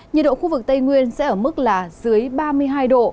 nhiệt độ khu vực tây nguyên sẽ ở mức là dưới ba mươi hai độ